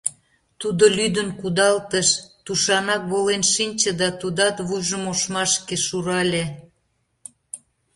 Тудо лӱдын кудалтыш, тушанак волен шинче да тудат вуйжым ошмашке шурале.